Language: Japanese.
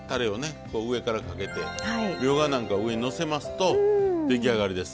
上からかけてみょうがなんかを上にのせますと出来上がりです。